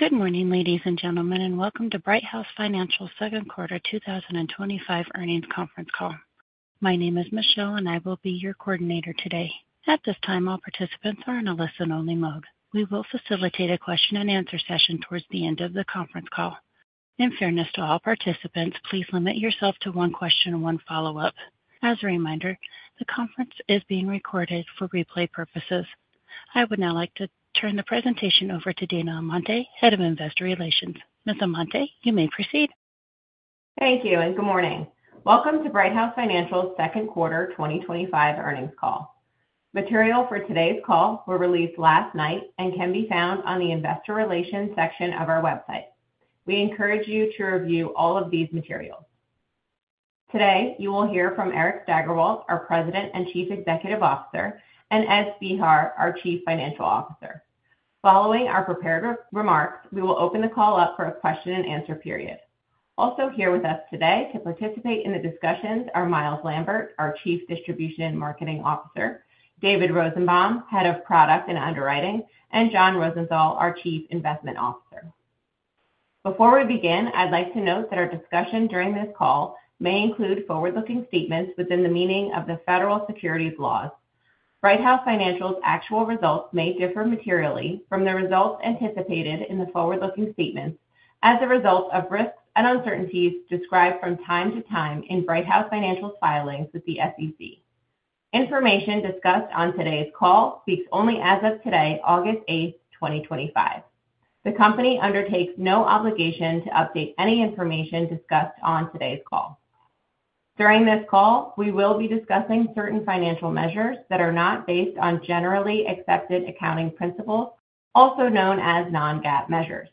Good morning, ladies and gentlemen, and welcome to Brighthouse Financial's second quarter 2025 earnings conference call. My name is Michelle, and I will be your coordinator today. At this time, all participants are in a listen-only mode. We will facilitate a question-and-answer session towards the end of the conference call. In fairness to all participants, please limit yourself to one question and one follow-up. As a reminder, the conference is being recorded for replay purposes. I would now like to turn the presentation over to Dana Amante, Head of Investor Relations. Ms. Amante, you may proceed. Thank you, and good morning. Welcome to Brighthouse Financial's second quarter 2025 earnings call. Material for today's call were released last night and can be found on the Investor Relations section of our website. We encourage you to review all of these materials. Today, you will hear from Eric Steigerwalt, our President and Chief Executive Officer, and Ed Spehar, our Chief Financial Officer. Following our prepared remarks, we will open the call up for a question-and-answer period. Also here with us today to participate in the discussions are Myles Lambert, our Chief Distribution and Marketing Officer, David Rosenbaum, Head of Product and Underwriting, and John Rosenthal, our Chief Investment Officer. Before we begin, I'd like to note that our discussion during this call may include forward-looking statements within the meaning of the Federal Securities Laws. Brighthouse Financial's actual results may differ materially from the results anticipated in the forward-looking statements as a result of risks and uncertainties described from time to time in Brighthouse Financial's filings with the SEC. Information discussed on today's call speaks only as of today, August 8, 2025. The company undertakes no obligation to update any information discussed on today's call. During this call, we will be discussing certain financial measures that are not based on generally accepted accounting principles, also known as non-GAAP measures.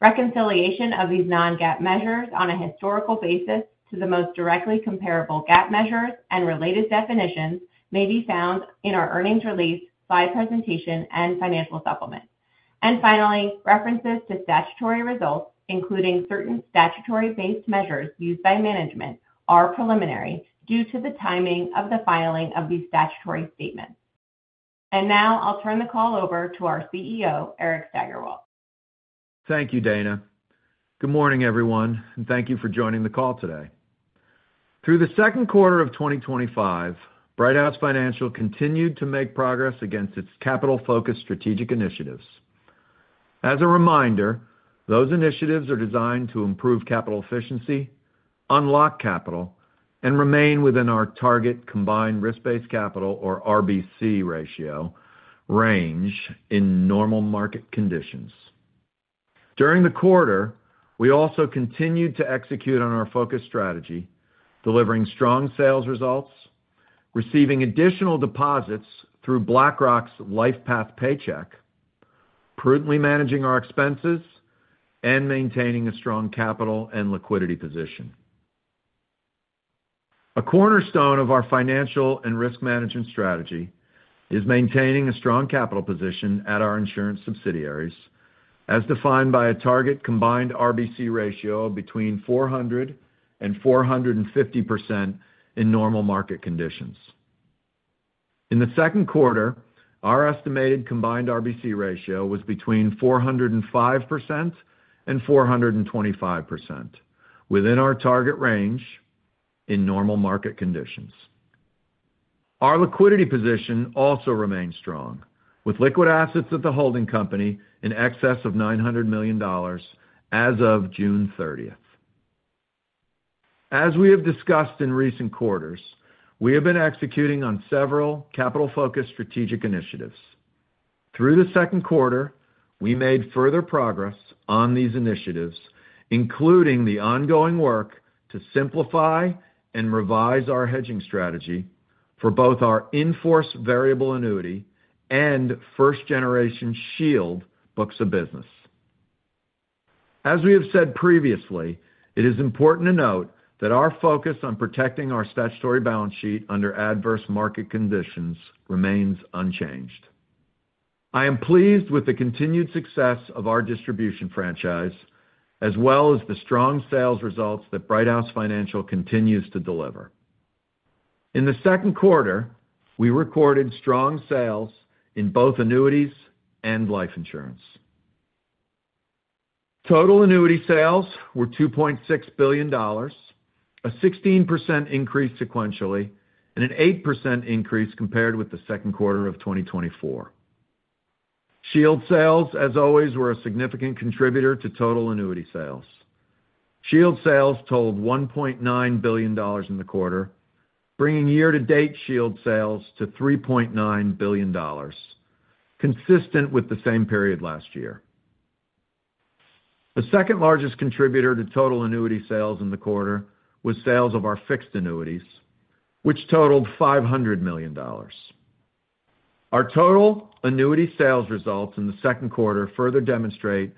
Reconciliation of these non-GAAP measures on a historical basis to the most directly comparable GAAP measures and related definitions may be found in our earnings release by presentation and financial supplement. Finally, references to statutory results, including certain statutory-based measures used by management, are preliminary due to the timing of the filing of these statutory statements. Now I'll turn the call over to our CEO, Eric Steigerwalt. Thank you, Dana. Good morning, everyone, and thank you for joining the call today. Through the second quarter of 2025, Brighthouse Financial continued to make progress against its capital-focused strategic initiatives. As a reminder, those initiatives are designed to improve capital efficiency, unlock capital, and remain within our target combined risk-based capital, or RBC, ratio range in normal market conditions. During the quarter, we also continued to execute on our focused strategy, delivering strong sales results, receiving additional deposits through BlackRock's LifePath Paycheck, prudently managing our expenses, and maintaining a strong capital and liquidity position. A cornerstone of our financial and risk management strategy is maintaining a strong capital position at our insurance subsidiaries, as defined by a target combined RBC ratio of between 400% and 450% in normal market conditions. In the second quarter, our estimated combined RBC ratio was between 405% and 425%, within our target range in normal market conditions. Our liquidity position also remains strong, with liquid assets at the holding company in excess of $900 million as of June 30. As we have discussed in recent quarters, we have been executing on several capital-focused strategic initiatives. Through the second quarter, we made further progress on these initiatives, including the ongoing work to simplify and revise our hedging strategy for both our in-force variable annuity and first-generation Shield books of business. As we have said previously, it is important to note that our focus on protecting our statutory balance sheet under adverse market conditions remains unchanged. I am pleased with the continued success of our distribution franchise, as well as the strong sales results that Brighthouse Financial continues to deliver. In the second quarter, we recorded strong sales in both annuities and life insurance. Total annuity sales were $2.6 billion, a 16% increase sequentially, and an 8% increase compared with the second quarter of 2024. Shield sales, as always, were a significant contributor to total annuity sales. Shield sales totaled $1.9 billion in the quarter, bringing year-to-date Shield sales to $3.9 billion, consistent with the same period last year. The second largest contributor to total annuity sales in the quarter was sales of our fixed annuities, which totaled $500 million. Our total annuity sales results in the second quarter further demonstrate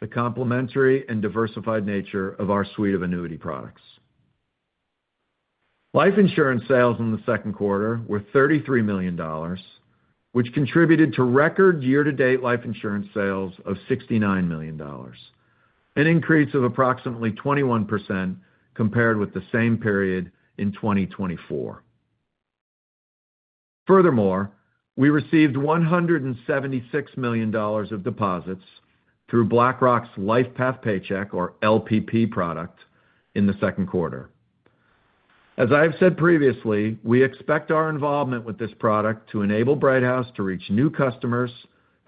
the complementary and diversified nature of our suite of annuity products. Life insurance sales in the second quarter were $33 million, which contributed to record year-to-date life insurance sales of $69 million, an increase of approximately 21% compared with the same period in 2024. Furthermore, we received $176 million of deposits through BlackRock's LifePath Paycheck, or LPP, product in the second quarter. As I have said previously, we expect our involvement with this product to enable Brighthouse Financial to reach new customers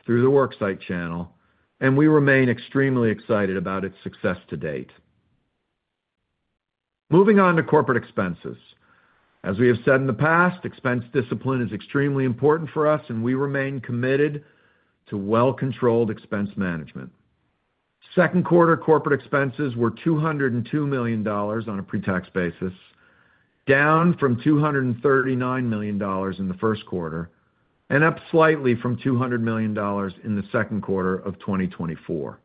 through the WorkSite channel, and we remain extremely excited about its success to date. Moving on to corporate expenses. As we have said in the past, expense discipline is extremely important for us, and we remain committed to well-controlled expense management. Second quarter corporate expenses were $202 million on a pre-tax basis, down from $239 million in the first quarter and up slightly from $200 million in the second quarter of 2024.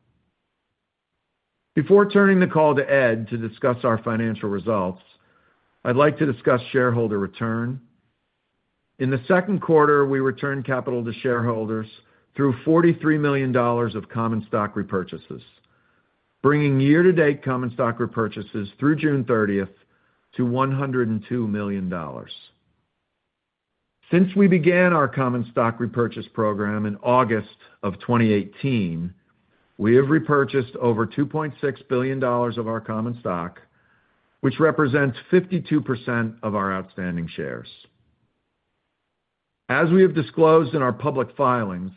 Before turning the call to Ed to discuss our financial results, I'd like to discuss shareholder return. In the second quarter, we returned capital to shareholders through $43 million of common stock repurchases, bringing year-to-date common stock repurchases through June 30th to $102 million. Since we began our common stock repurchase program in August of 2018, we have repurchased over $2.6 billion of our common stock, which represents 52% of our outstanding shares. As we have disclosed in our public filings,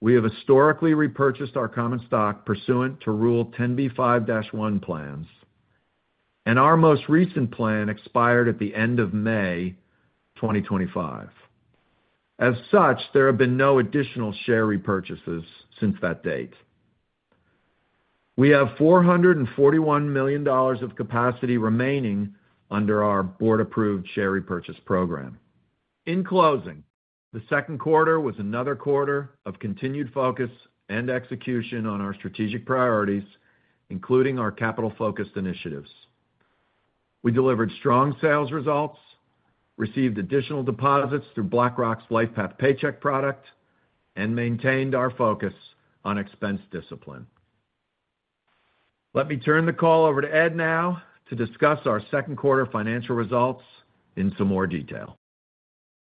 we have historically repurchased our common stock pursuant to Rule 10b5-1 plans, and our most recent plan expired at the end of May 2025. As such, there have been no additional share repurchases since that date. We have $441 million of capacity remaining under our board-approved share repurchase program. In closing, the second quarter was another quarter of continued focus and execution on our strategic priorities, including our capital-focused initiatives. We delivered strong sales results, received additional deposits through BlackRock's LifePath Paycheck product, and maintained our focus on expense discipline. Let me turn the call over to Ed now to discuss our second quarter financial results in some more detail.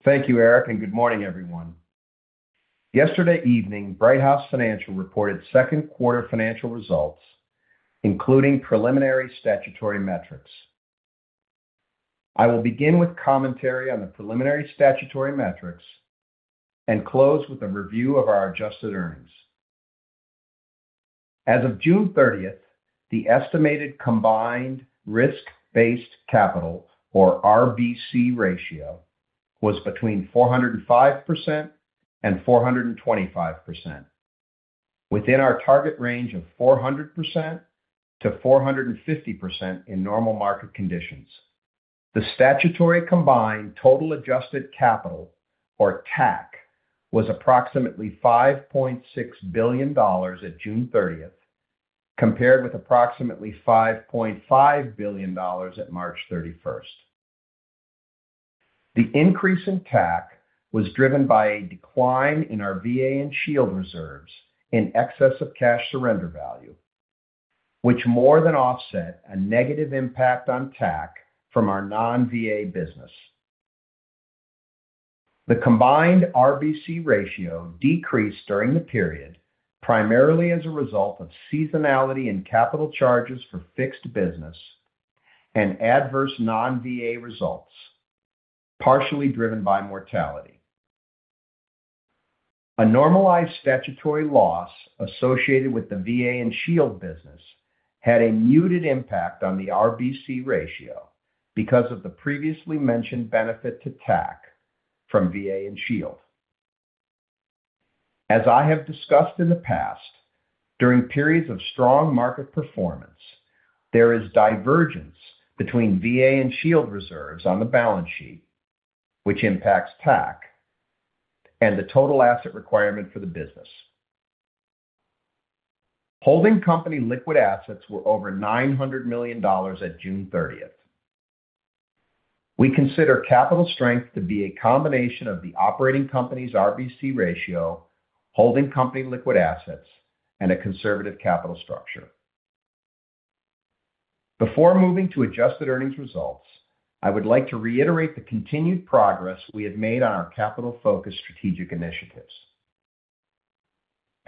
Thank you, Eric, and good morning, everyone. Yesterday evening, Brighthouse Financial reported second quarter financial results, including preliminary statutory metrics. I will begin with commentary on the preliminary statutory metrics and close with a review of our adjusted earnings. As of June 30, the estimated combined risk-based capital, or RBC, ratio was between 405% and 425%, within our target range of 400%-450% in normal market conditions. The statutory combined total adjusted capital, or TAC, was approximately $5.6 billion at June 30, compared with approximately $5.5 billion at March 31. The increase in TAC was driven by a decline in our VA and Shield reserves in excess of cash surrender value, which more than offset a negative impact on TAC from our non-VA business. The combined RBC ratio decreased during the period, primarily as a result of seasonality in capital charges for fixed business and adverse non-VA results, partially driven by mortality. A normalized statutory loss associated with the VA and Shield business had a muted impact on the RBC ratio because of the previously mentioned benefit to TAC from VA and Shield. As I have discussed in the past, during periods of strong market performance, there is divergence between VA and Shield reserves on the balance sheet, which impacts TAC and the total asset requirement for the business. Holding company liquid assets were over $900 million at June 30. We consider capital strength to be a combination of the operating company's RBC ratio, holding company liquid assets, and a conservative capital structure. Before moving to adjusted earnings results, I would like to reiterate the continued progress we have made on our capital-focused strategic initiatives.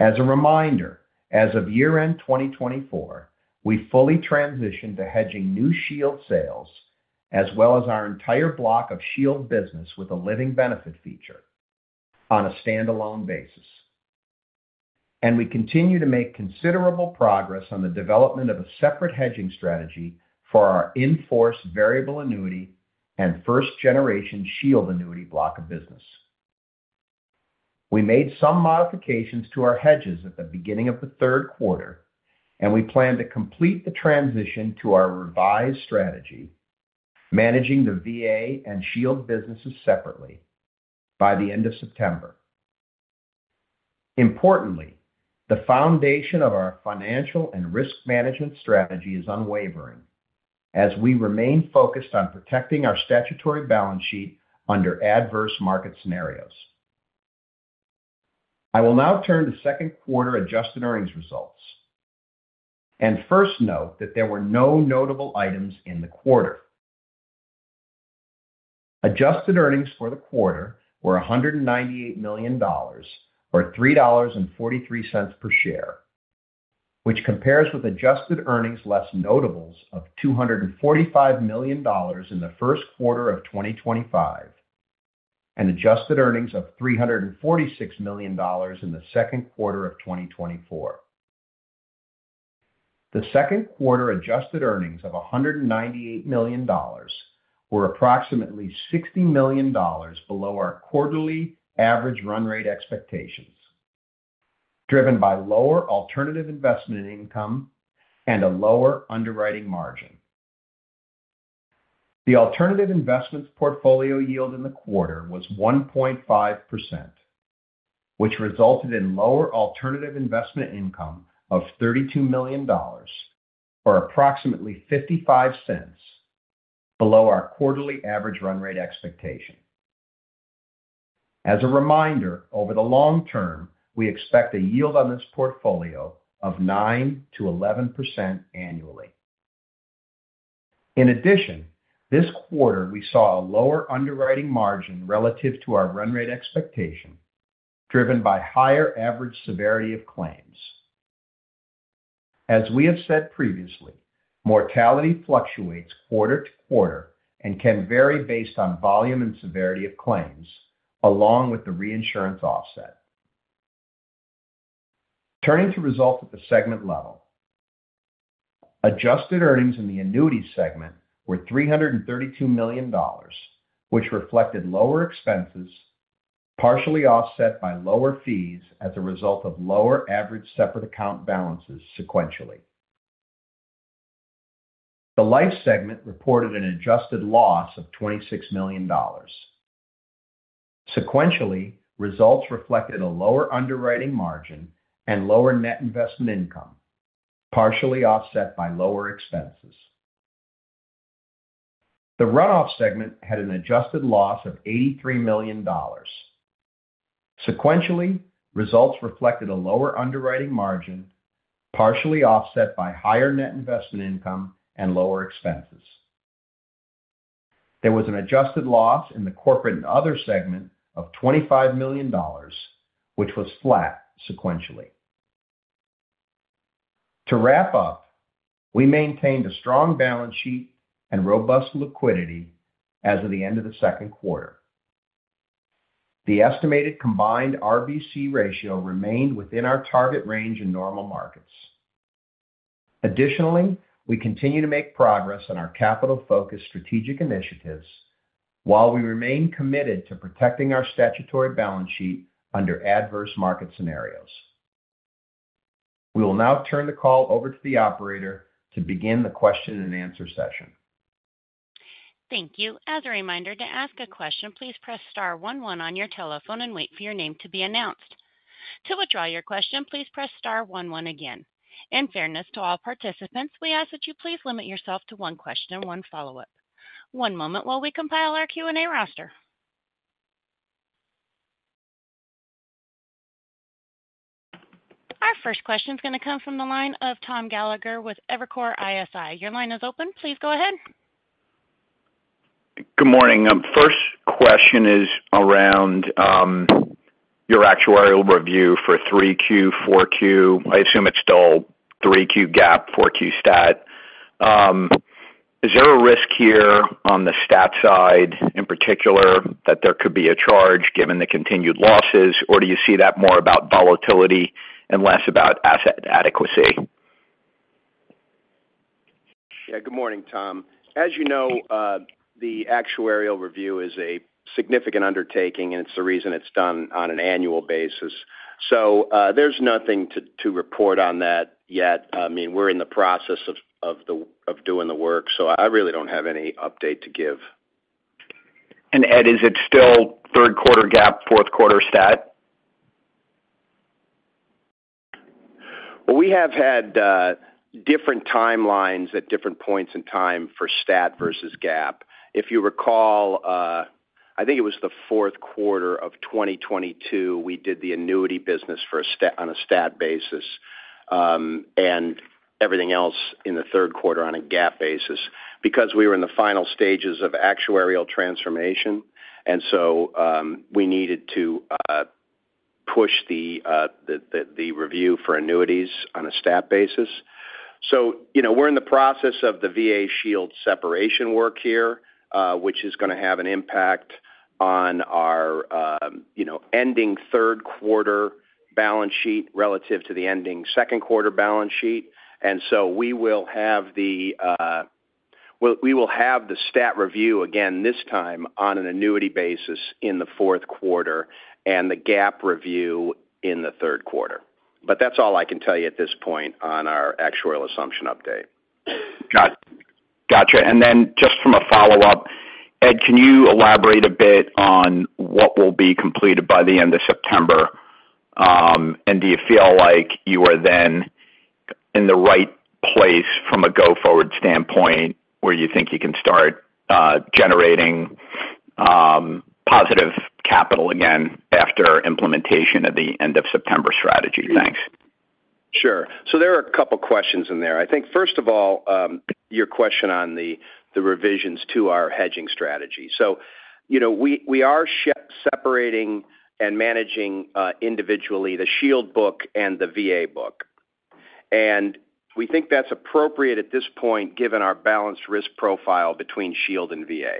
As a reminder, as of year-end 2024, we fully transitioned to hedging new Shield sales, as well as our entire block of Shield business with a living benefit feature, on a standalone basis. We continue to make considerable progress on the development of a separate hedging strategy for our inforce variable annuity and first-generation Shield annuity block of business. We made some modifications to our hedges at the beginning of the third quarter, and we plan to complete the transition to our revised strategy, managing the VA and Shield businesses separately, by the end of September. Importantly, the foundation of our financial and risk management strategy is unwavering, as we remain focused on protecting our statutory balance sheet under adverse market scenarios. I will now turn to second quarter adjusted earnings results. First, note that there were no notable items in the quarter. Adjusted earnings for the quarter were $198 million, or $3.43 per share, which compares with adjusted earnings less notables of $245 million in the first quarter of 2025 and adjusted earnings of $346 million in the second quarter of 2024. The second quarter adjusted earnings of $198 million were approximately $60 million below our quarterly average run rate expectations, driven by lower alternative investment income and a lower underwriting margin. The alternative investments portfolio yield in the quarter was 1.5%, which resulted in lower alternative investment income of $32 million, or approximately $0.55 below our quarterly average run rate expectation. As a reminder, over the long term, we expect a yield on this portfolio of 9%-11% annually. In addition, this quarter we saw a lower underwriting margin relative to our run rate expectation, driven by higher average severity of claims. As we have said previously, mortality fluctuates quarter to quarter and can vary based on volume and severity of claims, along with the reinsurance offset. Turning to results at the segment level, adjusted earnings in the annuity segment were $332 million, which reflected lower expenses, partially offset by lower fees as a result of lower average separate account balances sequentially. The life segment reported an adjusted loss of $26 million. Sequentially, results reflected a lower underwriting margin and lower net investment income, partially offset by lower expenses. The runoff segment had an adjusted loss of $83 million. Sequentially, results reflected a lower underwriting margin, partially offset by higher net investment income and lower expenses. There was an adjusted loss in the corporate and other segment of $25 million, which was flat sequentially. To wrap up, we maintained a strong balance sheet and robust liquidity as of the end of the second quarter. The estimated combined RBC ratio remained within our target range in normal markets. Additionally, we continue to make progress on our capital-focused strategic initiatives while we remain committed to protecting our statutory balance sheet under adverse market scenarios. We will now turn the call over to the operator to begin the question-and-answer session. Thank you. As a reminder, to ask a question, please press star one one on your telephone and wait for your name to be announced. To withdraw your question, please press star one one again. In fairness to all participants, we ask that you please limit yourself to one question and one follow-up. One moment while we compile our Q&A roster. Our first question is going to come from the line of Thomas Gallagher with Evercore ISI. Your line is open. Please go ahead. Good morning. First question is around your actuarial review for 3Q, 4Q. I assume it's still 3Q GAAP, 4Q STAT. Is there a risk here on the STAT side in particular that there could be a charge given the continued losses, or do you see that more about volatility and less about asset adequacy? Yeah, good morning, Tom. As you know, the actuarial review is a significant undertaking, and it's the reason it's done on an annual basis. There's nothing to report on that yet. We're in the process of doing the work, so I really don't have any update to give. Ed, is it still third quarter GAAP, fourth quarter STAT? We have had different timelines at different points in time for STAT versus GAAP. If you recall, I think it was the fourth quarter of 2022, we did the annuity business on a STAT basis and everything else in the third quarter on a GAAP basis because we were in the final stages of actuarial transformation. We needed to push the review for annuities on a STAT basis. We are in the process of the VA Shield separation work here, which is going to have an impact on our ending third quarter balance sheet relative to the ending second quarter balance sheet. We will have the STAT review again this time on an annuity basis in the fourth quarter and the GAAP review in the third quarter. That's all I can tell you at this point on our actuarial assumption update. Gotcha. From a follow-up, Ed, can you elaborate a bit on what will be completed by the end of September? Do you feel like you are then in the right place from a go-forward standpoint where you think you can start generating positive capital again after implementation at the end of September strategy? Thanks. Sure. There are a couple of questions in there. I think first of all, your question on the revisions to our hedging strategy. We are separating and managing individually the Shield annuity book and the VA book. We think that's appropriate at this point given our balanced risk profile between Shield and VA.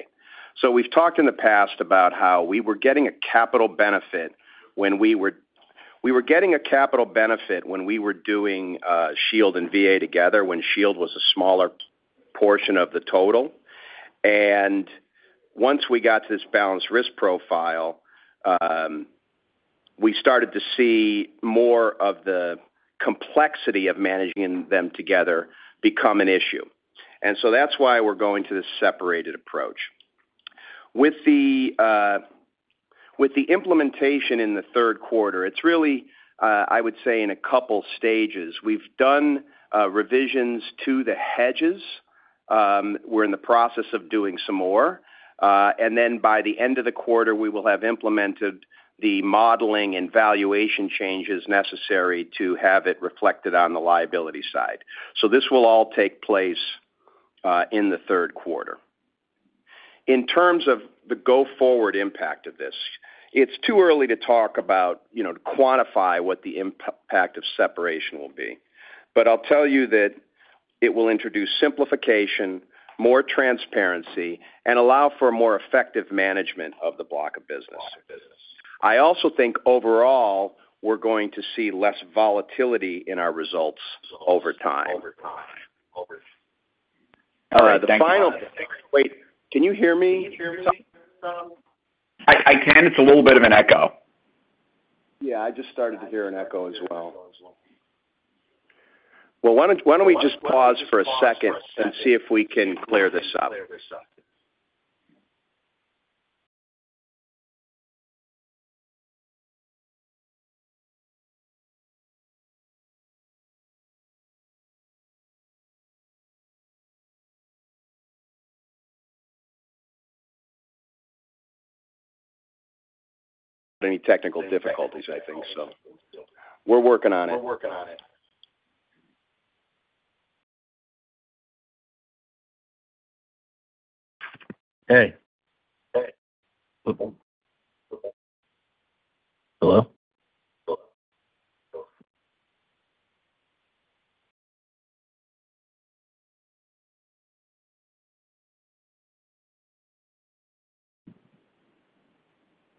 We've talked in the past about how we were getting a capital benefit when we were doing Shield and VA together when Shield was a smaller portion of the total. Once we got to this balanced risk profile, we started to see more of the complexity of managing them together become an issue. That's why we're going to the separated approach. With the implementation in the third quarter, it's really, I would say, in a couple of stages. We've done revisions to the hedges. We're in the process of doing some more. By the end of the quarter, we will have implemented the modeling and valuation changes necessary to have it reflected on the liability side. This will all take place in the third quarter. In terms of the go-forward impact of this, it's too early to talk about, you know, to quantify what the impact of separation will be. I'll tell you that it will introduce simplification, more transparency, and allow for a more effective management of the block of business. I also think overall we're going to see less volatility in our results over time. All right. The final. Can you hear me? I can. It's a little bit of an echo. Yeah, I just started to hear an echo as well. Why don't we just pause for a second and see if we can clear this up? We're working on any technical difficulties. We're working on it. Hey.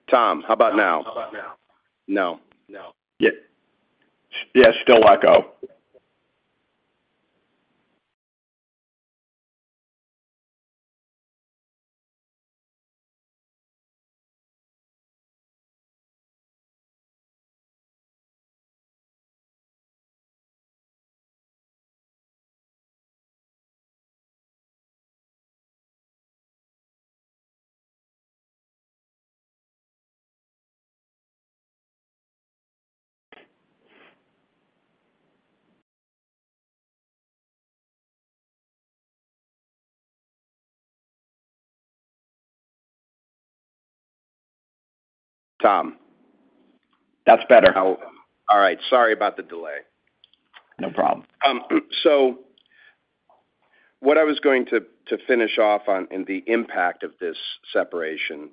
Tom, how about now? How about now? No. No. Yeah, still echo. Tom. That's better. All right. Sorry about the delay. No problem. What I was going to finish off on in the impact of this separation,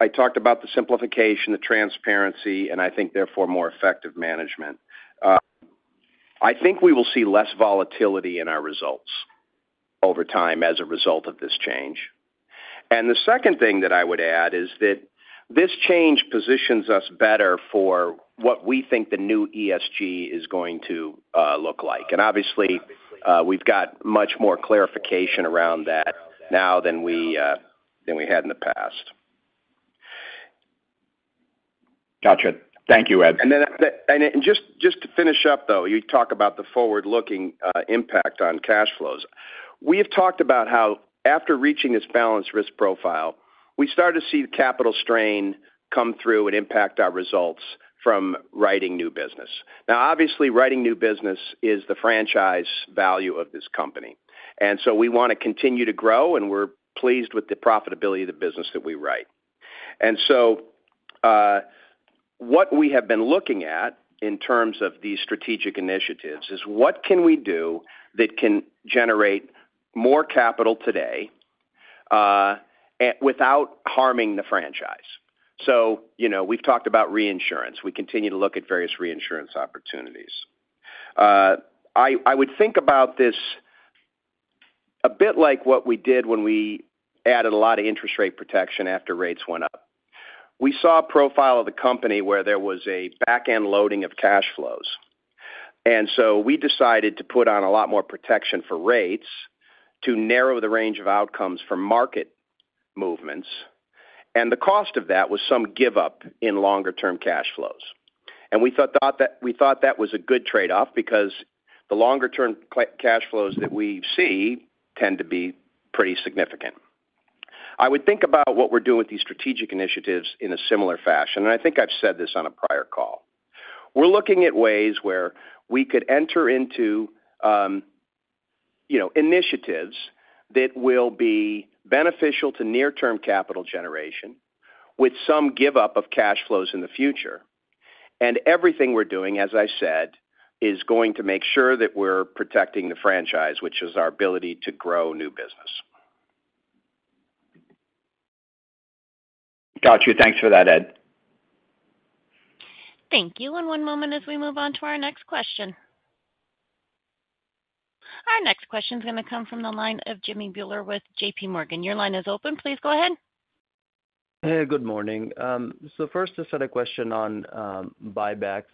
I talked about the simplification, the transparency, and I think therefore more effective management. I think we will see less volatility in our results over time as a result of this change. The second thing that I would add is that this change positions us better for what we think the new ESG is going to look like. Obviously, we've got much more clarification around that now than we had in the past. Gotcha. Thank you, Ed. To finish up, though, you talk about the forward-looking impact on cash flows. We have talked about how after reaching this balanced risk profile, we started to see the capital strain come through and impact our results from writing new business. Obviously, writing new business is the franchise value of this company. We want to continue to grow, and we're pleased with the profitability of the business that we write. We have been looking at, in terms of these strategic initiatives, what we can do that can generate more capital today without harming the franchise. We've talked about reinsurance. We continue to look at various reinsurance opportunities. I would think about this a bit like what we did when we added a lot of interest rate protection after rates went up. We saw a profile of the company where there was a backend loading of cash flows. We decided to put on a lot more protection for rates to narrow the range of outcomes for market movements. The cost of that was some give-up in longer-term cash flows. We thought that was a good trade-off because the longer-term cash flows that we see tend to be pretty significant. I would think about what we're doing with these strategic initiatives in a similar fashion. I think I've said this on a prior call. We're looking at ways where we could enter into initiatives that will be beneficial to near-term capital generation with some give-up of cash flows in the future. Everything we're doing, as I said, is going to make sure that we're protecting the franchise, which is our ability to grow new business. Gotcha. Thanks for that, Ed. Thank you. One moment as we move on to our next question. Our next question is going to come from the line of Jimmy Bhullar with J.P. Morgan. Your line is open. Please go ahead. Good morning. I just had a question on buybacks.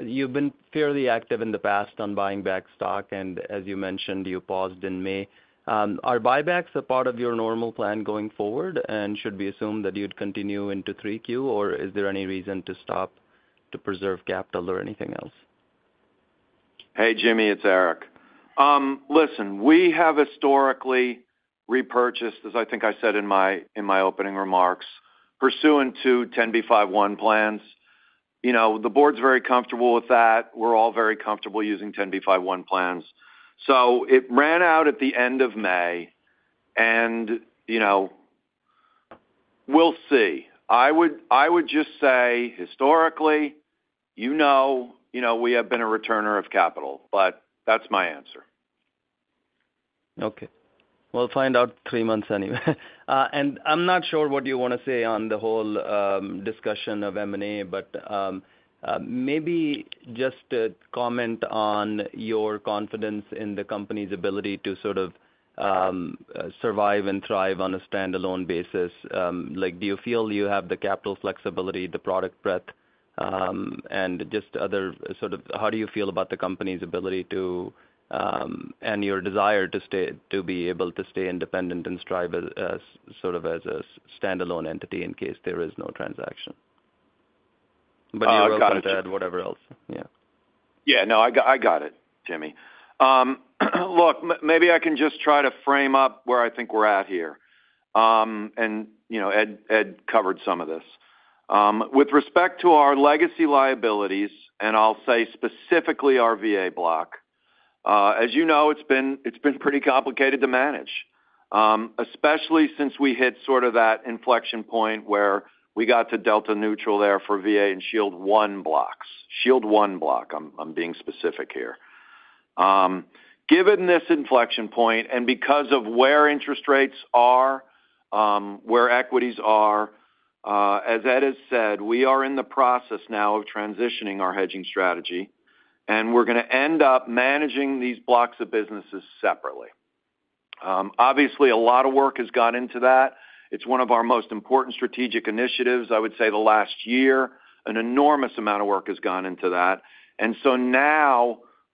You've been fairly active in the past on buying back stock, and as you mentioned, you paused in May. Are buybacks a part of your normal plan going forward? Should we assume that you'd continue into 3Q, or is there any reason to stop to preserve capital or anything else? Hey, Jimmy. It's Eric. We have historically repurchased, as I think I said in my opening remarks, pursuant to 10b5-1 plans. The board's very comfortable with that. We're all very comfortable using 10b5-1 plans. It ran out at the end of May. We'll see. I would just say historically, we have been a returner of capital, but that's my answer. Okay. We'll find out in three months anyway. I'm not sure what you want to say on the whole discussion of M&A, but maybe just a comment on your confidence in the company's ability to sort of survive and thrive on a standalone basis. Do you feel you have the capital flexibility, the product breadth, and just other sort of how do you feel about the company's ability to and your desire to be able to stay independent and strive as a standalone entity in case there is no transaction? You're welcome to add whatever else. Yeah. Yeah, no, I got it, Jimmy. Look, maybe I can just try to frame up where I think we're at here. Ed covered some of this. With respect to our legacy liabilities, and I'll say specifically our VA block, as you know, it's been pretty complicated to manage, especially since we hit sort of that inflection point where we got to delta neutral there for VA and Shield one blocks. Shield one block, I'm being specific here. Given this inflection point, and because of where interest rates are, where equities are, as Ed has said, we are in the process now of transitioning our hedging strategy. We're going to end up managing these blocks of businesses separately. Obviously, a lot of work has gone into that. It's one of our most important strategic initiatives, I would say, the last year. An enormous amount of work has gone into that.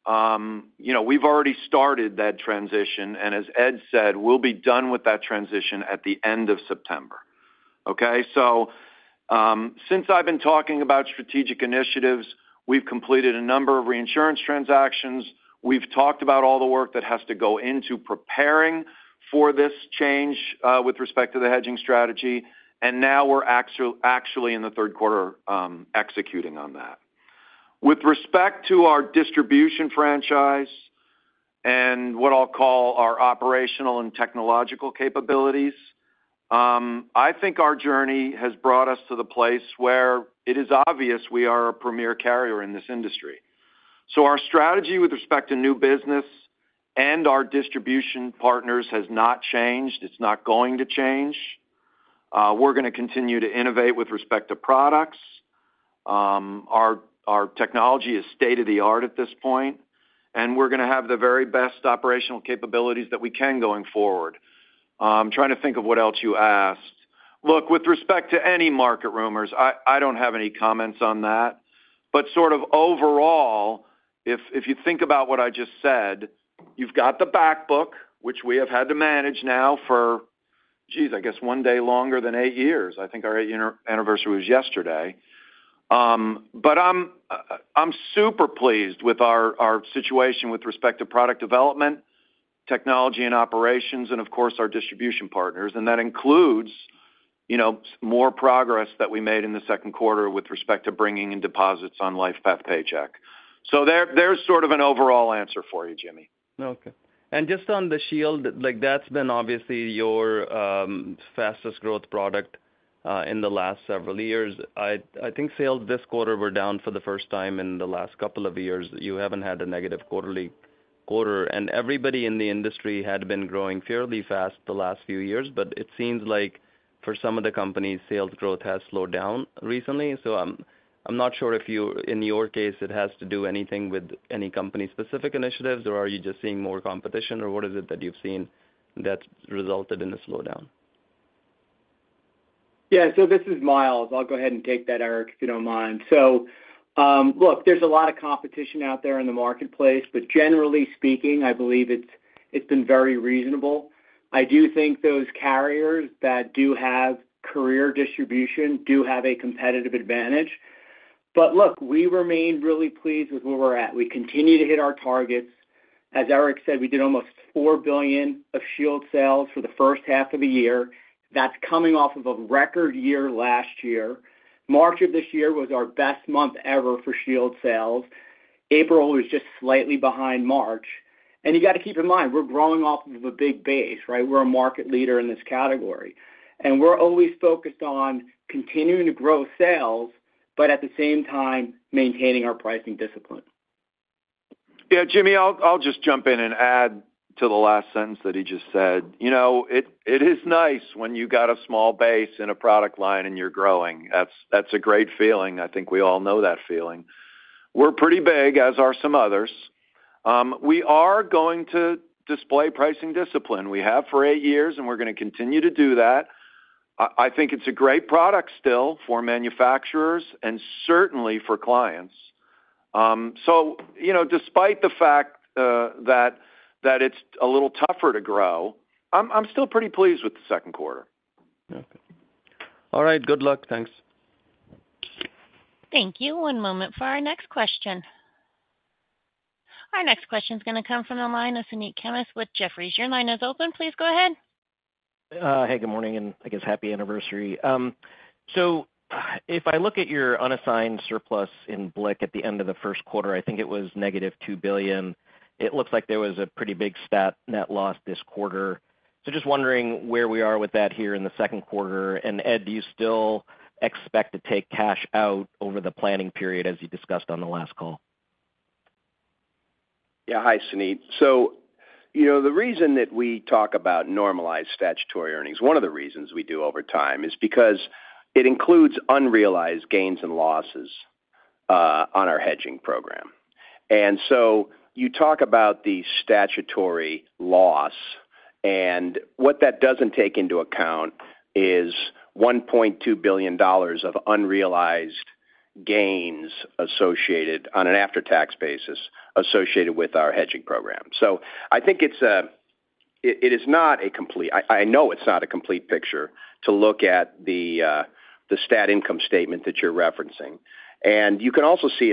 Now, we've already started that transition. As Ed said, we'll be done with that transition at the end of September. Since I've been talking about strategic initiatives, we've completed a number of reinsurance transactions. We've talked about all the work that has to go into preparing for this change with respect to the hedging strategy. Now we're actually in the third quarter executing on that. With respect to our distribution franchise and what I'll call our operational and technological capabilities, I think our journey has brought us to the place where it is obvious we are a premier carrier in this industry. Our strategy with respect to new business and our distribution partners has not changed. It's not going to change. We're going to continue to innovate with respect to products. Our technology is state-of-the-art at this point. We're going to have the very best operational capabilities that we can going forward. I'm trying to think of what else you asked. With respect to any market rumors, I don't have any comments on that. Overall, if you think about what I just said, you've got the backbook, which we have had to manage now for, geez, I guess one day longer than eight years. I think our eight-year anniversary was yesterday. I'm super pleased with our situation with respect to product development, technology, and operations, and of course, our distribution partners. That includes more progress that we made in the second quarter with respect to bringing in deposits on LifePath Paycheck. There's sort of an overall answer for you, Jimmy. Okay. Just on the Shield annuity, that's been obviously your fastest growth product in the last several years. I think sales this quarter were down for the first time in the last couple of years. You haven't had a negative quarterly quarter. Everybody in the industry had been growing fairly fast the last few years. It seems like for some of the companies, sales growth has slowed down recently. I'm not sure if you, in your case, it has to do anything with any company-specific initiatives, or are you just seeing more competition, or what is it that you've seen that's resulted in a slowdown? Yeah, this is Myles. I'll go ahead and take that, Eric, if you don't mind. Look, there's a lot of competition out there in the marketplace. Generally speaking, I believe it's been very reasonable. I do think those carriers that have career distribution do have a competitive advantage. We remain really pleased with where we're at. We continue to hit our targets. As Eric said, we did almost $4 billion of Shield sales for the first half of the year. That's coming off of a record year last year. March of this year was our best month ever for Shield sales. April was just slightly behind March. You have to keep in mind, we're growing off of a big base, right? We're a market leader in this category. We're always focused on continuing to grow sales, but at the same time, maintaining our pricing discipline. Yeah, Jimmy, I'll just jump in and add to the last sentence that he just said. You know, it is nice when you've got a small base and a product line and you're growing. That's a great feeling. I think we all know that feeling. We're pretty big, as are some others. We are going to display pricing discipline. We have for eight years, and we're going to continue to do that. I think it's a great product still for manufacturers and certainly for clients. You know, despite the fact that it's a little tougher to grow, I'm still pretty pleased with the second quarter. Okay. All right. Good luck. Thanks. Thank you. One moment for our next question. Our next question is going to come from the line of Suneet Kamath with Jefferies. Your line is open. Please go ahead. Hey, good morning, and I guess happy anniversary. If I look at your unassigned surplus in BLIC at the end of the first quarter, I think it was negative $2 billion. It looks like there was a pretty big STAT net loss this quarter. I am just wondering where we are with that here in the second quarter. Ed, do you still expect to take cash out over the planning period as you discussed on the last call? Yeah, hi, Suneet. The reason that we talk about normalized statutory earnings, one of the reasons we do over time, is because it includes unrealized gains and losses on our hedging program. You talk about the statutory loss, and what that doesn't take into account is $1.2 billion of unrealized gains associated on an after-tax basis with our hedging program. I think it is not a complete, I know it's not a complete picture to look at the STAT income statement that you're referencing. You can also see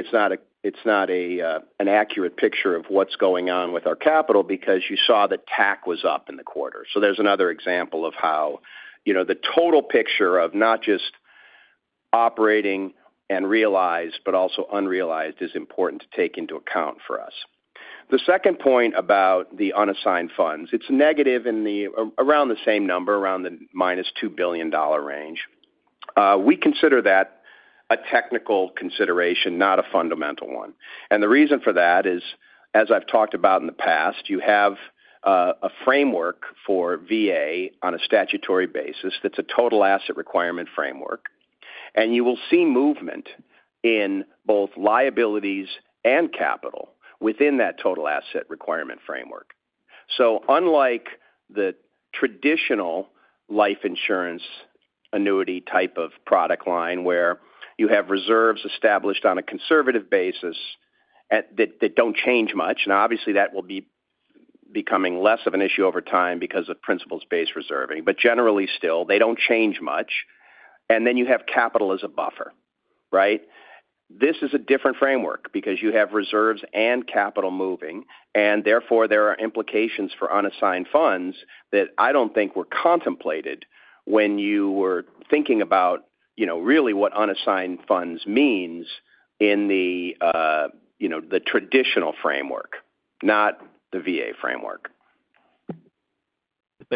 it's not an accurate picture of what's going on with our capital because you saw that TAC was up in the quarter. There's another example of how the total picture of not just operating and realized, but also unrealized, is important to take into account for us. The second point about the unassigned funds, it's a negative in the, around the same number, around the -$2 billion range. We consider that a technical consideration, not a fundamental one. The reason for that is, as I've talked about in the past, you have a framework for VA on a statutory basis that's a total asset requirement framework. You will see movement in both liabilities and capital within that total asset requirement framework. Unlike the traditional life insurance annuity type of product line where you have reserves established on a conservative basis that don't change much, and obviously that will be becoming less of an issue over time because of principles-based reserving, but generally still, they don't change much. Then you have capital as a buffer, right? This is a different framework because you have reserves and capital moving, and therefore there are implications for unassigned funds that I don't think were contemplated when you were thinking about what unassigned funds means in the traditional framework, not the VA framework.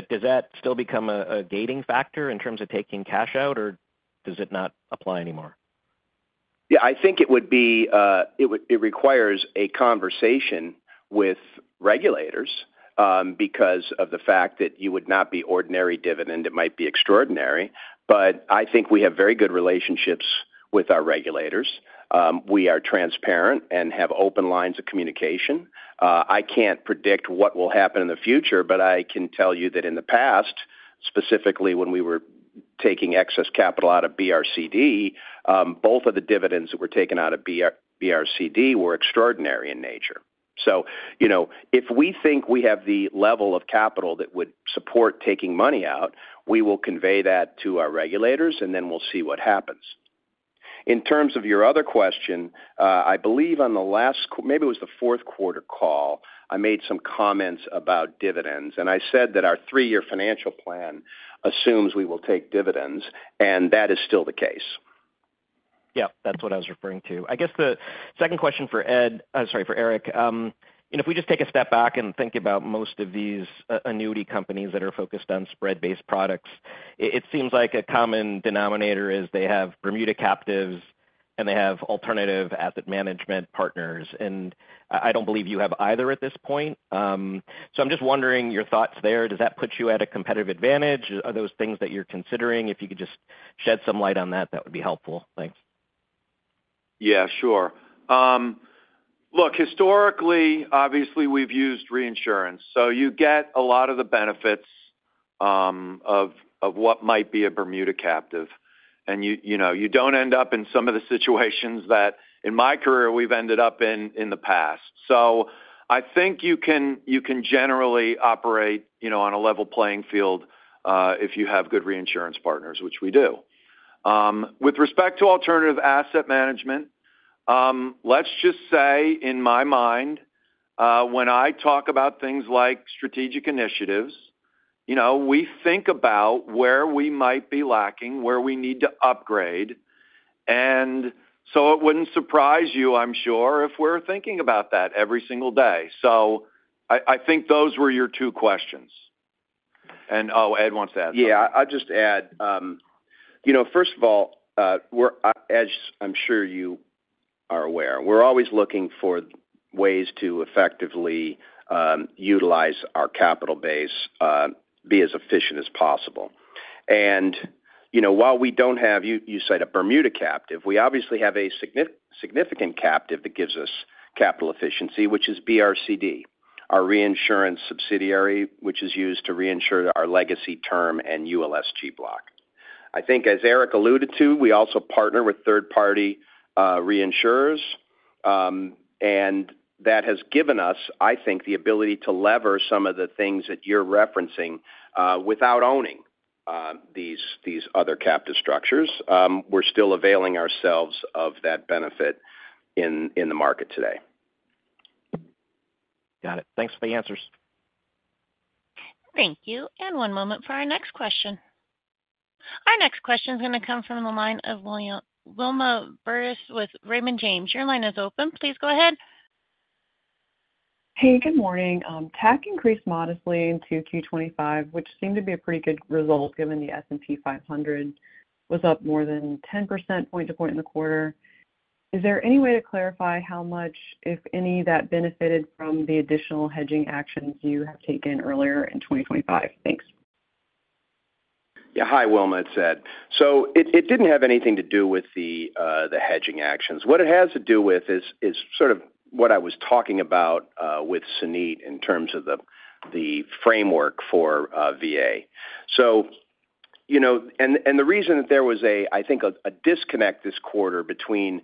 Does that still become a gating factor in terms of taking cash out, or does it not apply anymore? Yeah, I think it would be, it requires a conversation with regulators because of the fact that you would not be ordinary dividend, it might be extraordinary. I think we have very good relationships with our regulators. We are transparent and have open lines of communication. I can't predict what will happen in the future, but I can tell you that in the past, specifically when we were taking excess capital out of BRCD, both of the dividends that were taken out of BRCD were extraordinary in nature. If we think we have the level of capital that would support taking money out, we will convey that to our regulators, and then we'll see what happens. In terms of your other question, I believe on the last, maybe it was the fourth quarter call, I made some comments about dividends. I said that our three-year financial plan assumes we will take dividends, and that is still the case. Yeah, that's what I was referring to. I guess the second question for Ed, sorry, for Eric. If we just take a step back and think about most of these annuity companies that are focused on spread-based products, it seems like a common denominator is they have Bermuda Captives and they have alternative asset management partners. I don't believe you have either at this point. I'm just wondering your thoughts there. Does that put you at a competitive advantage? Are those things that you're considering? If you could just shed some light on that, that would be helpful. Thanks. Yeah, sure. Look, historically, obviously, we've used reinsurance. You get a lot of the benefits of what might be a Bermuda Captive, and you don't end up in some of the situations that in my career we've ended up in in the past. I think you can generally operate on a level playing field if you have good reinsurance partners, which we do. With respect to alternative asset management, let's just say in my mind, when I talk about things like strategic initiatives, we think about where we might be lacking, where we need to upgrade. It wouldn't surprise you, I'm sure, if we're thinking about that every single day. I think those were your two questions. Oh, Ed wants to add. Yeah, I'll just add. First of all, as I'm sure you are aware, we're always looking for ways to effectively utilize our capital base, be as efficient as possible. While we don't have, you cite a Bermuda captive, we obviously have a significant captive that gives us capital efficiency, which is BRCD, our reinsurance subsidiary, which is used to reinsure our legacy term and ULSG block. I think, as Eric alluded to, we also partner with third-party reinsurers. That has given us, I think, the ability to lever some of the things that you're referencing without owning these other captive structures. We're still availing ourselves of that benefit in the market today. Got it. Thanks for the answers. Thank you. One moment for our next question. Our next question is going to come from the line of Wilma Burdis with Raymond James. Your line is open. Please go ahead. Hey, good morning. TAC increased modestly in Q2 2025, which seemed to be a pretty good result given the S&P 500 was up more than 10% point to point in the quarter. Is there any way to clarify how much, if any, that benefited from the additional hedging actions you have taken earlier in 2025? Thanks. Yeah, hi, Wilma. It's Ed. It didn't have anything to do with the hedging actions. What it has to do with is sort of what I was talking about with Suneet in terms of the framework for VA. The reason that there was, I think, a disconnect this quarter between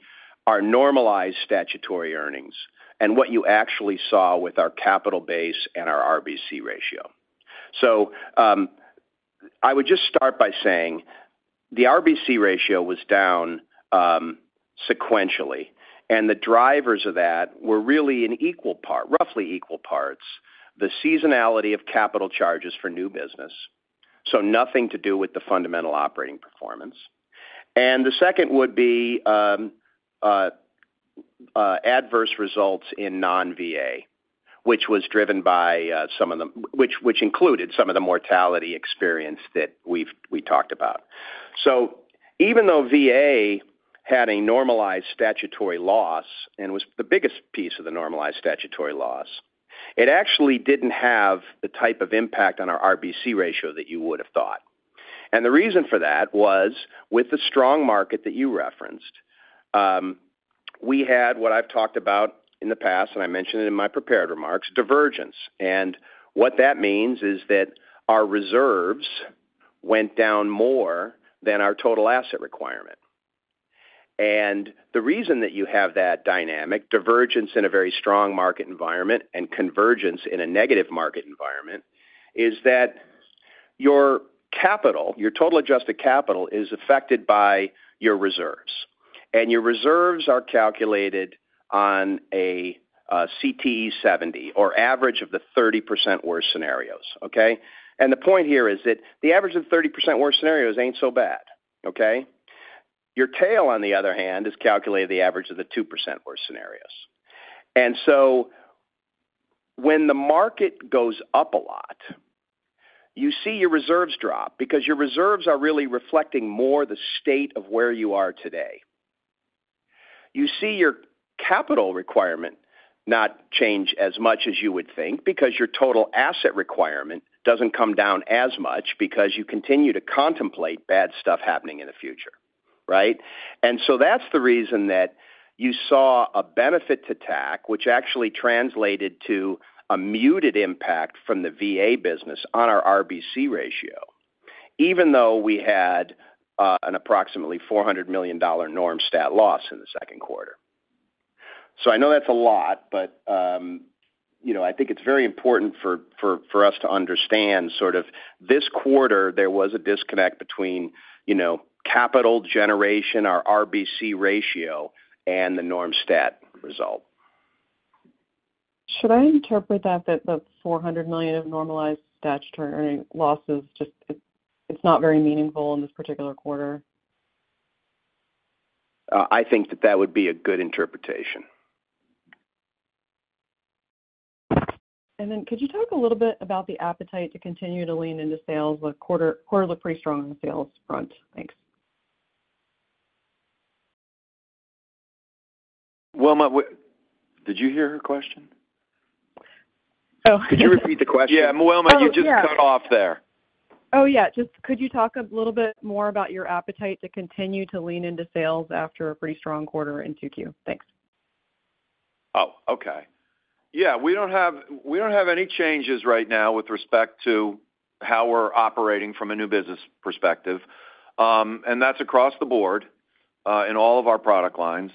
our normalized statutory earnings and what you actually saw with our capital base and our RBC ratio. I would just start by saying the RBC ratio was down sequentially. The drivers of that were really in roughly equal parts, the seasonality of capital charges for new business, so nothing to do with the fundamental operating performance. The second would be adverse results in non-VA, which was driven by some of the, which included some of the mortality experience that we talked about. Even though VA had a normalized statutory loss and was the biggest piece of the normalized statutory loss, it actually didn't have the type of impact on our RBC ratio that you would have thought. The reason for that was with the strong market that you referenced. We had what I've talked about in the past, and I mentioned it in my prepared remarks, divergence. What that means is that our reserves went down more than our total asset requirement. The reason that you have that dynamic, divergence in a very strong market environment and convergence in a negative market environment, is that your capital, your total adjusted capital, is affected by your reserves. Your reserves are calculated on a CTE 70 or average of the 30% worst scenarios. The point here is that the average of 30% worst scenarios ain't so bad. Your tail, on the other hand, is calculated as the average of the 2% worst scenarios. When the market goes up a lot, you see your reserves drop because your reserves are really reflecting more the state of where you are today. You see your capital requirement not change as much as you would think because your total asset requirement doesn't come down as much because you continue to contemplate bad stuff happening in the future. That's the reason that you saw a benefit to TAC, which actually translated to a muted impact from the VA business on our RBC ratio, even though we had an approximately $400 million NORM STAT loss in the second quarter. I know that's a lot, but I think it's very important for us to understand this quarter there was a disconnect between capital generation, our RBC ratio, and the NORM STAT result. Should I interpret that the $400 million of normalized statutory earning losses just is not very meaningful in this particular quarter? I think that would be a good interpretation. Could you talk a little bit about the appetite to continue to lean into sales? The quarter looked pretty strong on the sales front. Thanks. Wilma, did you hear her question? Oh, yeah. Could you repeat the question? Yeah, Wilma, you just cut off there. Could you talk a little bit more about your appetite to continue to lean into sales after a pretty strong quarter in 2Q? Thanks. Yeah, we don't have any changes right now with respect to how we're operating from a new business perspective. That's across the board in all of our product lines.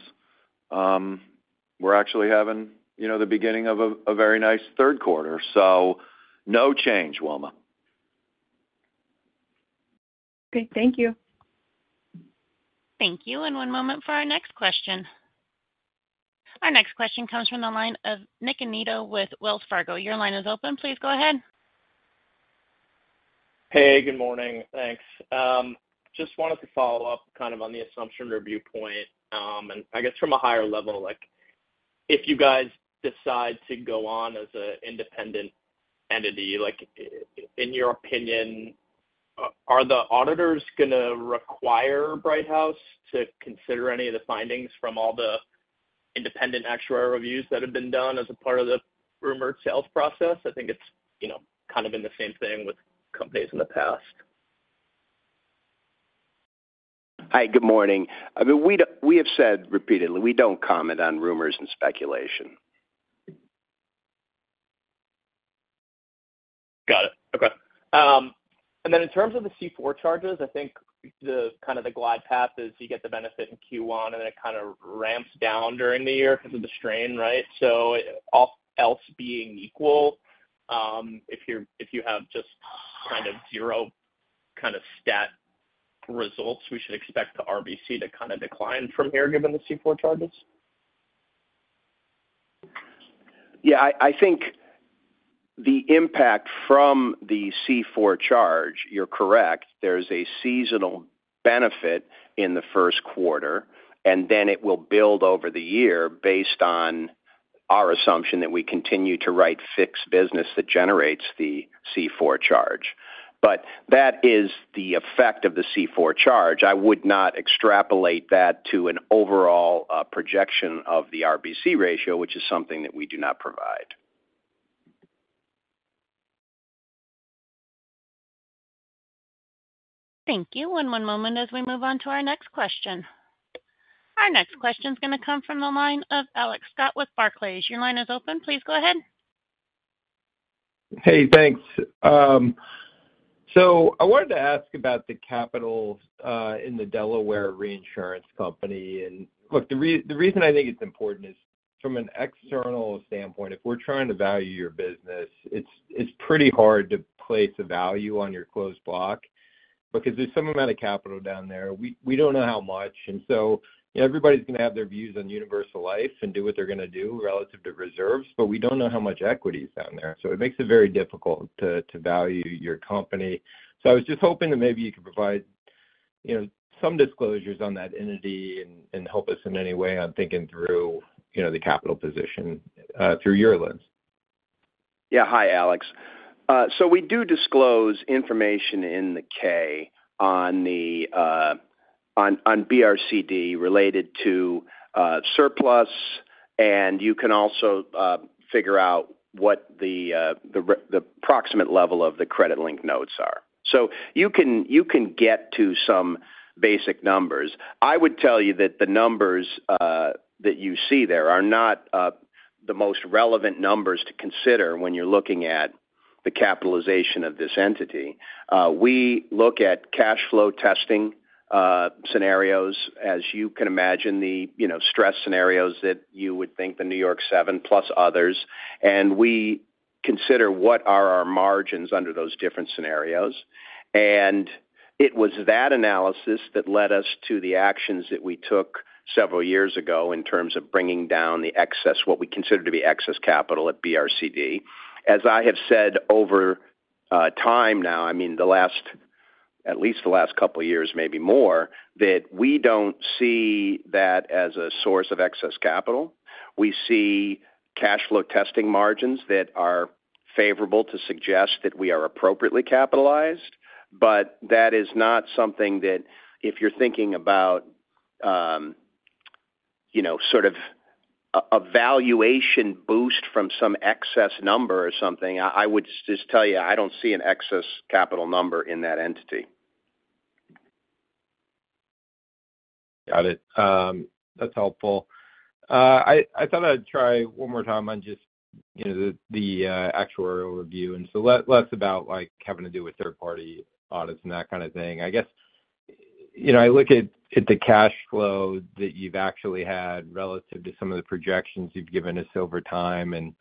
We're actually having the beginning of a very nice third quarter. No change, Wilma. Okay, thank you. Thank you. One moment for our next question. Our next question comes from the line of Nick Anito with Wells Fargo. Your line is open. Please go ahead. Hey, good morning. Thanks. Just wanted to follow up on the assumption review point. I guess from a higher level, if you guys decide to go on as an independent entity, in your opinion, are the auditors going to require Brighthouse Financial to consider any of the findings from all the independent actuarial reviews that have been done as a part of the rumored sales process? I think it's kind of been the same thing with companies in the past. Hi, good morning. We have said repeatedly, we don't comment on rumors and speculation. Got it. Okay. In terms of the C4 charges, I think the kind of the glide path is you get the benefit in Q1, and then it ramps down during the year because of the strain, right? All else being equal, if you have just zero STAT results, we should expect the RBC to decline from here given the C4 charges? Yeah, I think the impact from the C4 charge, you're correct, there's a seasonal benefit in the first quarter, and then it will build over the year based on our assumption that we continue to write fixed business that generates the C4 charge. That is the effect of the C4 charge. I would not extrapolate that to an overall projection of the RBC ratio, which is something that we do not provide. Thank you. One moment as we move on to our next question. Our next question is going to come from the line of Alex Scott with Barclays. Your line is open. Please go ahead. Hey, thanks. I wanted to ask about the capital in the Delaware reinsurance company. The reason I think it's important is from an external standpoint, if we're trying to value your business, it's pretty hard to place a value on your closed block because there's some amount of capital down there. We don't know how much. Everybody's going to have their views on universal life and do what they're going to do relative to reserves, but we don't know how much equity is down there. It makes it very difficult to value your company. I was just hoping that maybe you could provide some disclosures on that entity and help us in any way on thinking through the capital position through your lens. Yeah, hi, Alex. We do disclose information in the K on BRCD related to surplus, and you can also figure out what the approximate level of the credit linked notes are. You can get to some basic numbers. I would tell you that the numbers that you see there are not the most relevant numbers to consider when you're looking at the capitalization of this entity. We look at cash flow testing scenarios, as you can imagine, the stress scenarios that you would think, the New York 7+ others, and we consider what are our margins under those different scenarios. It was that analysis that led us to the actions that we took several years ago in terms of bringing down the excess, what we consider to be excess capital at BRCD. As I have said over time now, at least the last couple of years, maybe more, we don't see that as a source of excess capital. We see cash flow testing margins that are favorable to suggest that we are appropriately capitalized, but that is not something that if you're thinking about, you know, sort of a valuation boost from some excess number or something, I would just tell you I don't see an excess capital number in that entity. Got it. That's helpful. I thought I'd try one more time on just the actuarial review. Less about having to do with third-party audits and that kind of thing. I guess I look at the cash flow that you've actually had relative to some of the projections you've given us over time.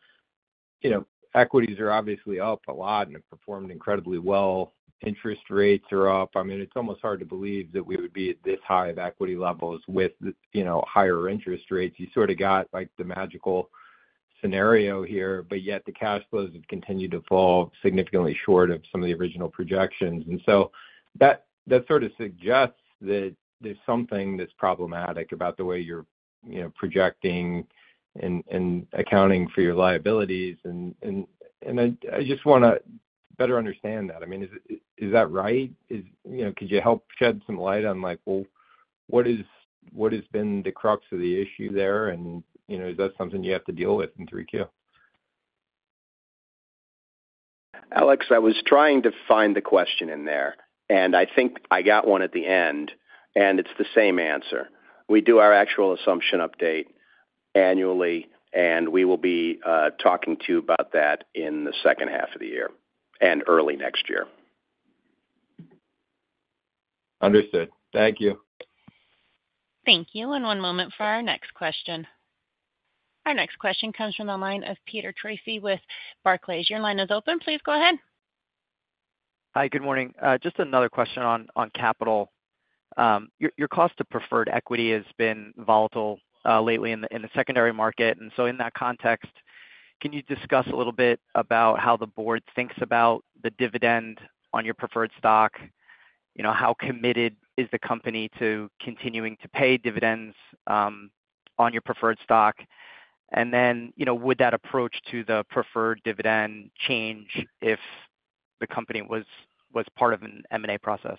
Equities are obviously up a lot and have performed incredibly well. Interest rates are up. It's almost hard to believe that we would be at this high of equity levels with higher interest rates. You sort of got the magical scenario here, yet the cash flows have continued to fall significantly short of some of the original projections. That suggests that there's something that's problematic about the way you're projecting and accounting for your liabilities. I just want to better understand that. Is that right? Could you help shed some light on what has been the crux of the issue there? Is that something you have to deal with in 3Q? Alex, I was trying to find the question in there. I think I got one at the end. It's the same answer. We do our actual assumption update annually, and we will be talking to you about that in the second half of the year and early next year. Understood. Thank you. Thank you. One moment for our next question. Our next question comes from the line of Peter Tracy with Barclays. Your line is open. Please go ahead. Hi, good morning. Just another question on capital. Your cost of preferred equity has been volatile lately in the secondary market. In that context, can you discuss a little bit about how the board thinks about the dividend on your preferred stock? You know, how committed is the company to continuing to pay dividends on your preferred stock? Would that approach to the preferred dividend change if the company was part of an M&A process?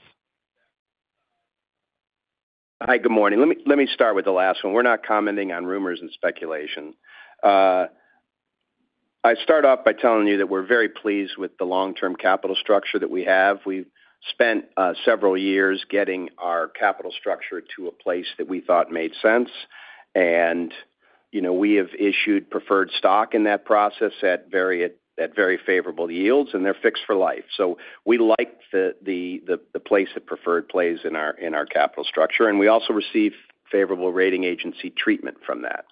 Hi, good morning. Let me start with the last one. We're not commenting on rumors and speculation. I start off by telling you that we're very pleased with the long-term capital structure that we have. We've spent several years getting our capital structure to a place that we thought made sense. We have issued preferred stock in that process at very favorable yields, and they're fixed for life. We like the place that preferred plays in our capital structure. We also receive favorable rating agency treatment from that.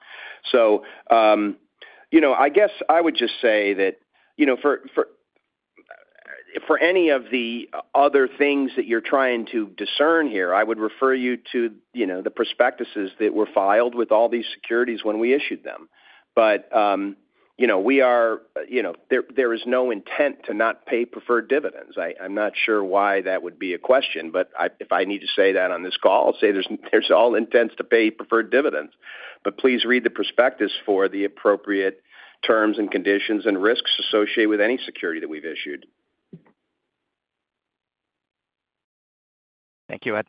I would just say that for any of the other things that you're trying to discern here, I would refer you to the prospectuses that were filed with all these securities when we issued them. We are, there is no intent to not pay preferred dividends. I'm not sure why that would be a question, but if I need to say that on this call, there's all intent to pay preferred dividends. Please read the prospectus for the appropriate terms and conditions and risks associated with any security that we've issued. Thank you, Ed.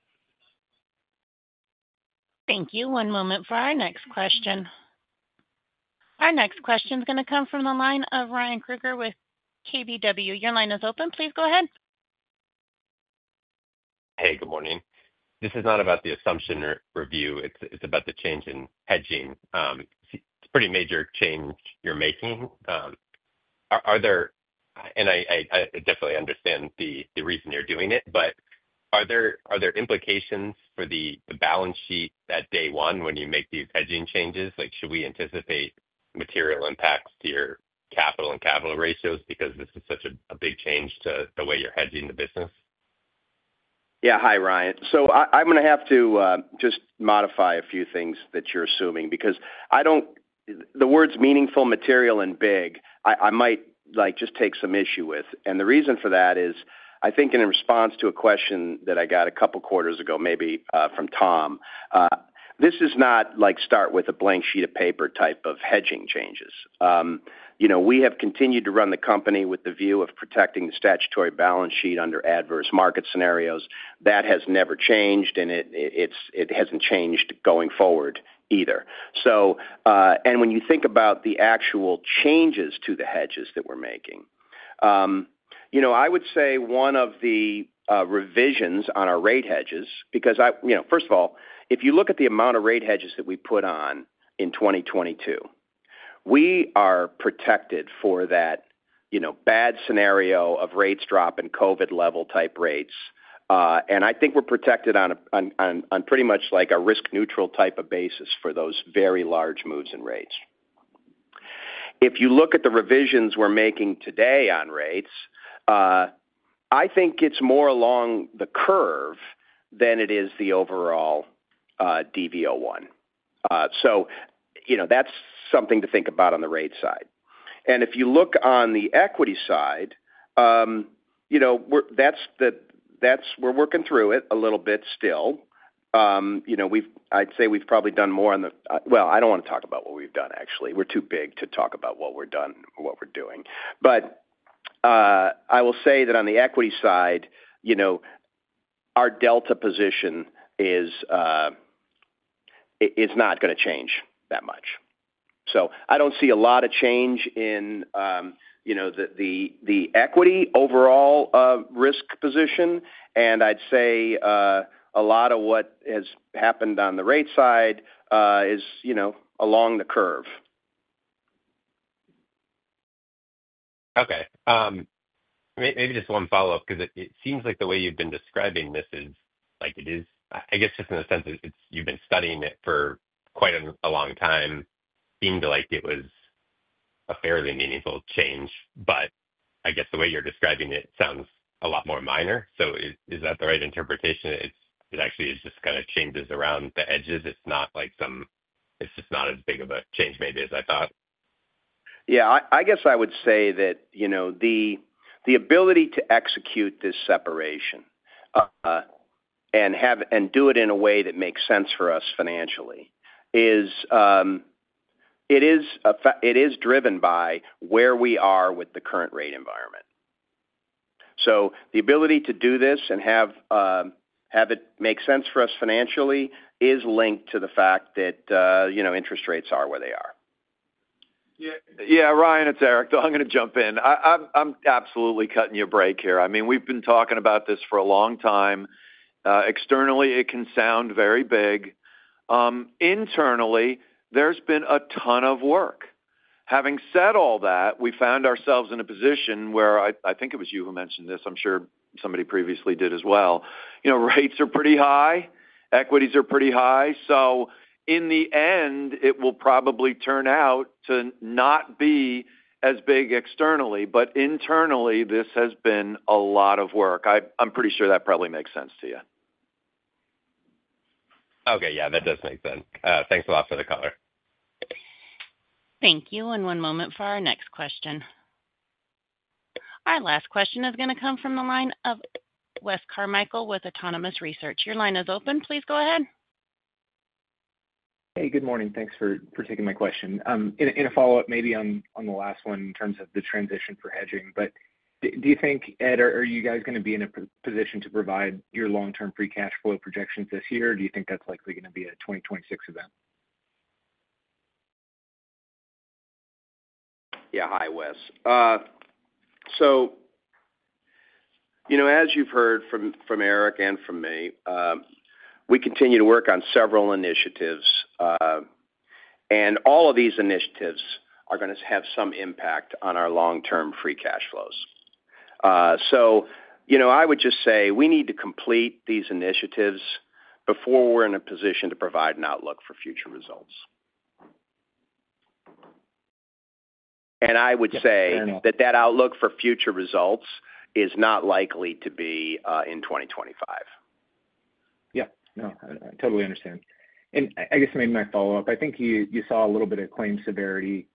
Thank you. One moment for our next question. Our next question is going to come from the line of Ryan Krueger with KBW. Your line is open. Please go ahead. Hey, good morning. This is not about the assumption review. It's about the change in hedging. It's a pretty major change you're making. Are there, and I definitely understand the reason you're doing it, but are there implications for the balance sheet at day one when you make these hedging changes? Like, should we anticipate material impacts to your capital and capital ratios because this is such a big change to the way you're hedging the business? Yeah, hi, Ryan. I'm going to have to just modify a few things that you're assuming because I don't, the words meaningful, material, and big I might just take some issue with. The reason for that is I think in response to a question that I got a couple of quarters ago, maybe from Tom, this is not like start with a blank sheet of paper type of hedging changes. We have continued to run the company with the view of protecting the statutory balance sheet under adverse market scenarios. That has never changed, and it hasn't changed going forward either. When you think about the actual changes to the hedges that we're making, I would say one of the revisions on our rate hedges, because I, first of all, if you look at the amount of rate hedges that we put on in 2022, we are protected for that bad scenario of rates drop and COVID level type rates. I think we're protected on pretty much like a risk-neutral type of basis for those very large moves in rates. If you look at the revisions we're making today on rates, I think it's more along the curve than it is the overall DVO1. That's something to think about on the rate side. If you look on the equity side, we're working through it a little bit still. I'd say we've probably done more on the, I don't want to talk about what we've done, actually. We're too big to talk about what we're doing. I will say that on the equity side, our delta position is not going to change that much. I don't see a lot of change in the equity overall risk position. I'd say a lot of what has happened on the rate side is along the curve. Okay. Maybe just one follow-up because it seems like the way you've been describing this is, I guess, just in the sense that you've been studying it for quite a long time. It seemed like it was a fairly meaningful change, but I guess the way you're describing it sounds a lot more minor. Is that the right interpretation? It actually is just kind of changes around the edges. It's not as big of a change maybe as I thought. I guess I would say that the ability to execute this separation and do it in a way that makes sense for us financially is driven by where we are with the current rate environment. The ability to do this and have it make sense for us financially is linked to the fact that interest rates are where they are. Yeah, Ryan, it's Eric. I'm going to jump in. I'm absolutely cutting your break here. We've been talking about this for a long time. Externally, it can sound very big. Internally, there's been a ton of work. Having said all that, we found ourselves in a position where I think it was you who mentioned this. I'm sure somebody previously did as well. You know, rates are pretty high. Equities are pretty high. In the end, it will probably turn out to not be as big externally, but internally, this has been a lot of work. I'm pretty sure that probably makes sense to you. Okay, yeah, that does make sense. Thanks a lot for the color. Thank you. One moment for our next question. Our last question is going to come from the line of Wes Carmichael with Autonomous Research. Your line is open. Please go ahead. Hey, good morning. Thanks for taking my question. In a follow-up, maybe on the last one in terms of the transition for hedging, do you think, Ed, are you guys going to be in a position to provide your long-term free cash flow projections this year, or do you think that's likely going to be a 2026 event? Yeah, hi, Wes. As you've heard from Eric and from me, we continue to work on several initiatives. All of these initiatives are going to have some impact on our long-term free cash flows. I would just say we need to complete these initiatives before we're in a position to provide an outlook for future results. I would say that outlook for future results is not likely to be in 2025. Yeah, no, I totally understand. I guess maybe my follow-up, I think you saw a little bit of claim severity,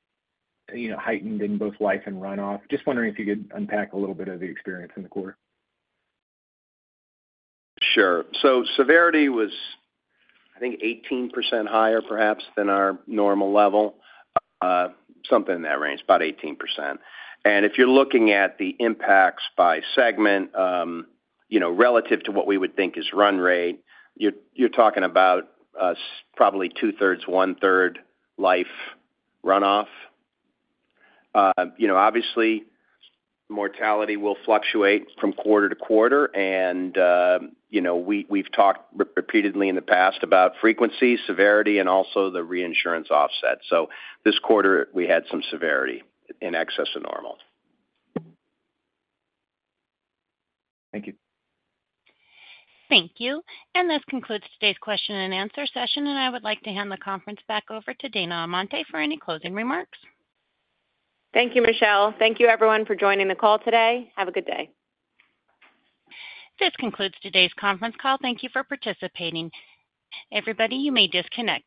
you know, heightened in both life and runoff. Just wondering if you could unpack a little bit of the experience in the quarter. Severity was, I think, 18% higher perhaps than our normal level, something in that range, about 18%. If you're looking at the impacts by segment, you know, relative to what we would think is run rate, you're talking about probably two-thirds, one-third life runoff. Obviously, mortality will fluctuate from quarter to quarter. We've talked repeatedly in the past about frequency, severity, and also the reinsurance offset. This quarter, we had some severity in excess of normal. Thank you. Thank you. This concludes today's question-and-answer session. I would like to hand the conference back over to Dana Amante for any closing remarks. Thank you, Michelle. Thank you, everyone, for joining the call today. Have a good day. This concludes today's conference call. Thank you for participating. Everybody, you may disconnect.